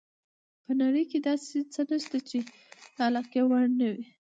په نړۍ کې داسې څه نشته چې د علاقې وړ نه وي.